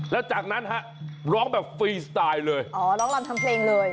แล้วจากนั้นฮะร้องแบบฟรีสไตล์เลยอ๋อร้องรำทำเพลงเลย